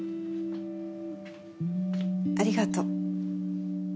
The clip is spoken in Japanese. ありがとう。